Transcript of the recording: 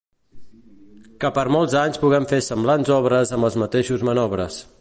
Que per molts anys puguem fer semblants obres amb els mateixos manobres.